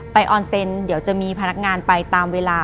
ออนเซ็นต์เดี๋ยวจะมีพนักงานไปตามเวลา